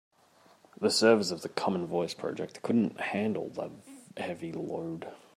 The servers of the common voice project couldn't handle the heavy load.